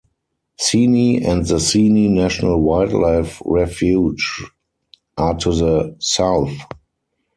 Seney and the Seney National Wildlife Refuge are to the south.